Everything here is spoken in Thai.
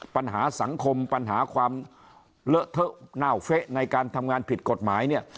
ปัญหาสังคมปัญหาความเลอะเทอะเน่าเฟะในการทำงานผิดกฎหมายเนี่ย